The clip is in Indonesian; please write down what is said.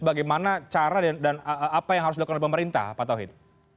bagaimana cara dan apa yang harus dilakukan oleh pemerintah pak tauhid